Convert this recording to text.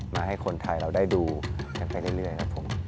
มาให้คนไทยเราได้ดูกันไปเรื่อยครับผม